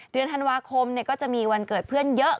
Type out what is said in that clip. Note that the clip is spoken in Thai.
เดือนธันวาคมก็จะมีวันเกิดเพื่อนเยอะ